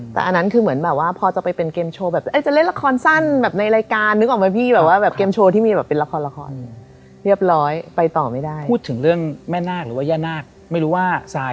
แต่พอซีนที่รู้ที่รู้ว่า